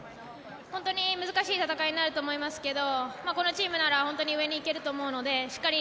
本当に難しい戦いになると思いますけどこのチームなら上に行けると思うのでしっかり